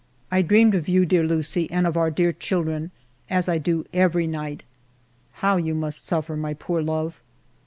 I dreamed of you, dear Lucie, and of our dear children, as I do every night. How you must suffer, my poor love